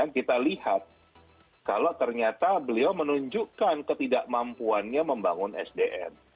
kita lihat kalau ternyata beliau menunjukkan ketidakmampuannya membangun sdm